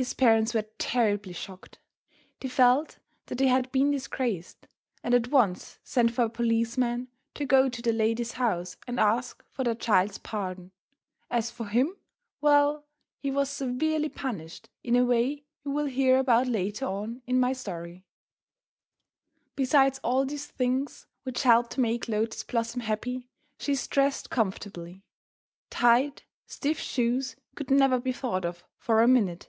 His parents were terribly shocked. They felt that they had been disgraced, and at once sent for a policeman to go to the lady's house and ask for their child's pardon. As for him! well, he was severely punished in a way you will hear about later on in my story. [Illustration: TOYO FEEDING THE PIGEONS.] Besides all these things which help to make Lotus Blossom happy, she is dressed comfortably. Tight, stiff shoes could never be thought of for a minute.